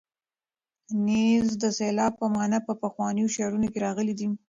نیز د سیلاب په مانا په پخوانیو شعرونو کې راغلی دی.